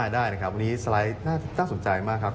ได้นะครับวันนี้สไลด์น่าสนใจมากครับ